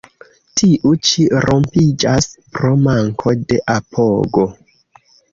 Tiu ĉi rompiĝas pro manko de apogo.